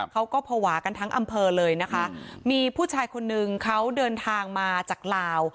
เขาก็ภาวะกันทั้งอำเภอเลยนะคะมีผู้ชายคนนึงเขาเดินทางมาจากลาว